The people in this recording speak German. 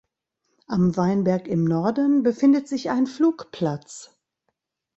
Am Weinberg im Norden befindet sich ein Flugplatz.